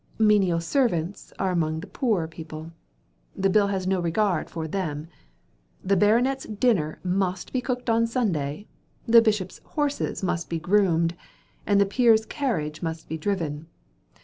'Menial servants' are among the poor people. The bill has no regard for them. The Baronet's dinner must be cooked on Sunday, the Bishop's horses must be groomed, and the Peer's carriage must be driven.